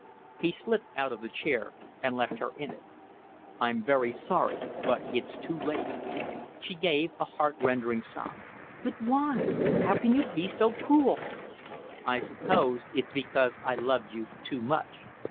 He slipped out of the chair and left her in it. "I'm very sorry, but it's too late." She gave a heart rending sob. "But why? How can you be so cruel?" "I suppose it's because I loved you too much.